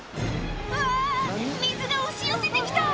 うわ水が押し寄せて来た！